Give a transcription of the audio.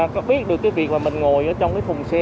mà mình ngồi trong cái phùng xe mà mình ngồi trong cái phùng xe